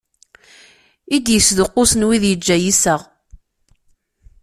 I d-yesduqqusen wid yeǧǧa yiseɣ.